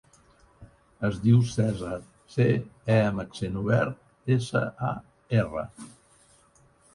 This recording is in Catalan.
Es diu Cèsar: ce, e amb accent obert, essa, a, erra.